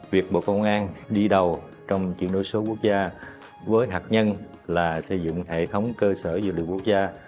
việc bộ công an đi đầu trong chuyển đổi số quốc gia với hạt nhân là xây dựng hệ thống cơ sở dữ liệu quốc gia